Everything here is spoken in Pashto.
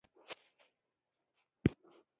دا مې نوم ده